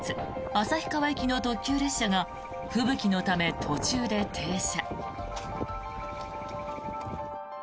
旭川行きの特急列車が吹雪のため、途中で停車。